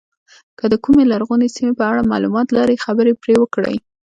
که د کومې لرغونې سیمې په اړه معلومات لرئ خبرې پرې وکړئ.